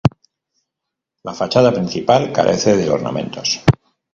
La fachada principal carece de ornamentos.